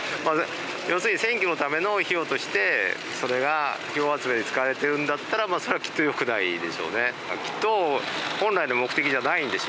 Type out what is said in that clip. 要するに選挙のための費用としてそれが票集めに使われてるんだったらそれはきっとよくないでしょうね。